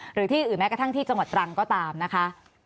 หรือที่อื่นแม้กระทั่งที่จังหวัดตรังก็ตามนะคะ